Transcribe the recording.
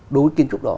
đối với kiến trúc đó